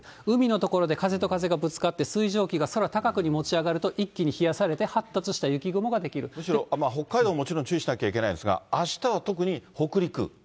海のところで風と風がぶつかって、水蒸気が空高くに持ち上がると一気に冷やされて発達した雪雲が出むしろ北海道はもちろん注意しなきゃいけないんですが、あしたは特に北陸。